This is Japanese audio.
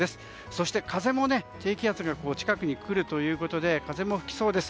そして、風も低気圧が近くに来るということで風も吹きそうです。